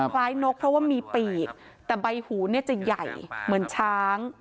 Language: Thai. นกเพราะว่ามีปีกแต่ใบหูเนี่ยจะใหญ่เหมือนช้าง